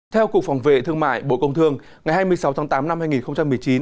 theo cục phòng vệ thương mại bộ công thương ngày hai mươi sáu tháng tám năm hai nghìn một mươi chín